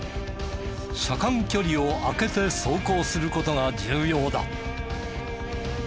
車間距離を空けて走行する事が重要だ。